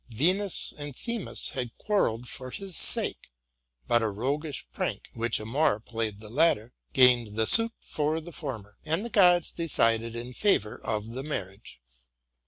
Venus and Themis had quarrelled for his sake ; but a roguish prank, which Amor played the tatter, gained the suit for the former: and the gods decided in favor of the marriage.